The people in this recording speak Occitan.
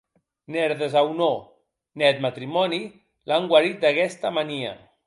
Ne er desaunor, ne eth matrimòni l’an guarit d’aguesta mania.